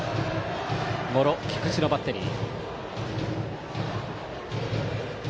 茂呂、菊池のバッテリー。